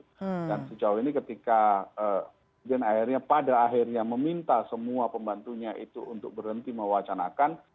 dan sejauh ini ketika kemudian akhirnya pada akhirnya meminta semua pembantunya itu untuk berhenti mewacanakan